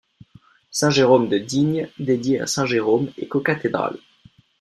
Saint-Jérôme de Digne, dédiée à saint Jérôme, est cocathédrale.